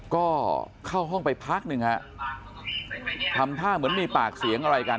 ก็เข้าห้องไปพักหนึ่งฮะทำท่าเหมือนมีปากเสียงอะไรกัน